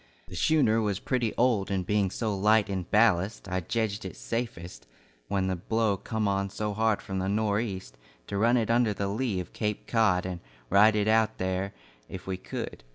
The schooner was pretty old and being so light in ballast, I jedged it safest, when the blow come on so hard from the nor' east, to run it under the lee of Cape Cod and ride it out there if we could.